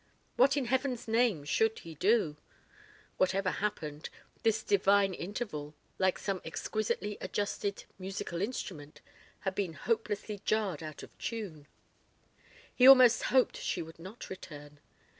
What in heaven's name should he do? Whatever happened, this divine interval, like some exquisitely adjusted musical instrument, had been hopelessly jarred out of tune. He almost hoped she would not return.